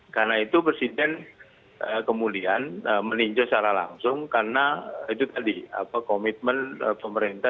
karena itu presiden kemudian meninjau secara langsung karena itu tadi komitmen pemerintah